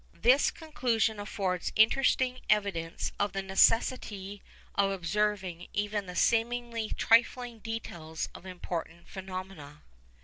This conclusion affords interesting evidence of the necessity of observing even the seemingly trifling details of important phenomena.